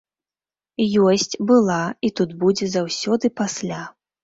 Ёсць, была, і тут будзе заўсёды пасля!